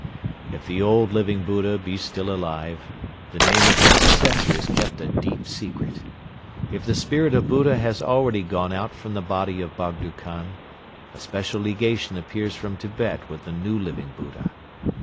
"If the old Living Buddha be still alive, the name of his successor is kept a deep secret; if the Spirit of Buddha has already gone out from the body of Bogdo Khan, a special legation appears from Tibet with the new Living Buddha.